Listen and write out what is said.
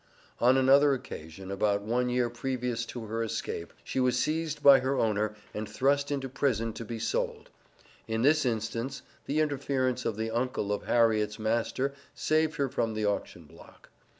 On another occasion, about one year previous to her escape, she was seized by her owner and thrust into prison to be sold. In this instance the interference of the Uncle of Harriet's master saved her from the auction block.